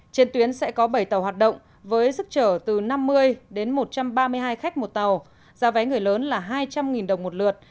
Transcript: trên tuyến sẽ có bảy tàu hoạt động với sức trở từ năm mươi đến một trăm ba mươi hai khách một tàu giá vé người lớn là hai trăm linh đồng một lượt